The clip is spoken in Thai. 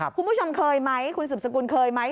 คุณผู้ชมเคยไหมคุณสืบสกุลเคยไหม